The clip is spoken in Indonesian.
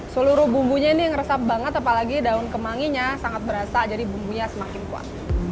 seluruh bumbunya ini yang resep banget apalagi daun kemanginya sangat berasa jadi bumbunya semakin kuat